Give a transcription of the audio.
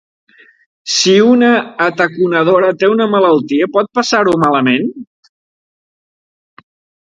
Si una ataconadora té una malaltia pot passar-ho malament?